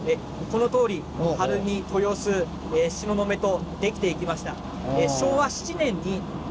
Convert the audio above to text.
このとおり晴海豊洲東雲とできていきました。